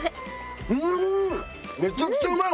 うんめちゃくちゃうまい！